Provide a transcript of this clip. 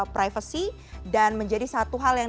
privacy dan menjadi satu hal yang